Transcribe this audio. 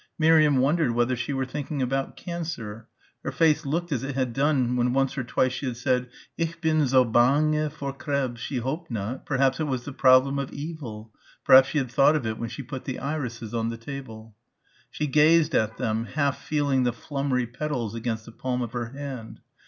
Miriam wondered whether she were thinking about cancer. Her face looked as it had done when once or twice she had said, "Ich bin so bange vor Krebs." She hoped not. Perhaps it was the problem of evil. Perhaps she had thought of it when she put the irises on the table. She gazed at them, half feeling the flummery petals against the palm of her hand.